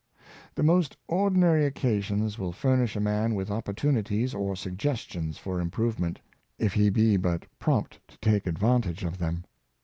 The most ordinary occasions will furnish a man with opportunities or suggestions for improvement, if he be but prompt to take advantage of them.